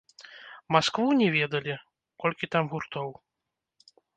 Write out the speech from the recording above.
Маскву, не ведалі, колькі там гуртоў.